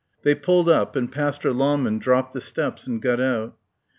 They pulled up and Pastor Lahmann dropped the steps and got out.